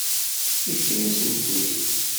Yefka-yasen-ten-id.